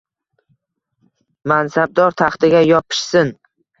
Mansabdor taxtiga yopishsin